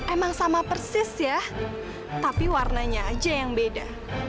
emang sama persis ya tapi warnanya aja yang beda